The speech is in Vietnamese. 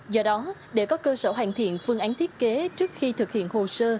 do đó để có cơ sở hoàn thiện phương án thiết kế trước khi thực hiện hồ sơ